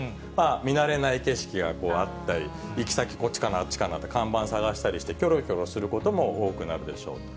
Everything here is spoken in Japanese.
見慣れない景色がこうあったり、行き先こっちかな、あっちかなって看板探したりして、きょろきょろすることも多くなるでしょう。